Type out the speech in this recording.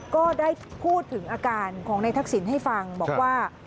ก็ได้พูดถึงอาการของนายทักษิณให้ฟังบอกว่า